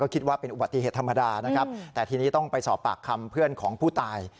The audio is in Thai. คิดว่าเป็นอุบัติเหตุธรรมดานะครับแต่ทีนี้ต้องไปสอบปากคำเพื่อนของผู้ตาย